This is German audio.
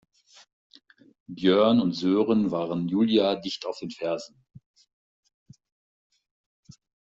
Björn und Sören waren Julia dicht auf den Fersen.